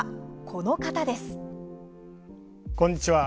こんにちは。